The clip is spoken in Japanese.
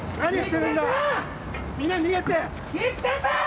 みんな逃げて！